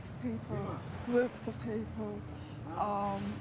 untuk menghadapi orang